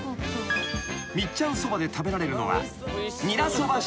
［みっちゃん蕎麦で食べられるのは］